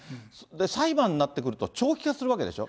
裁判になってくると長期化するわけでしょ。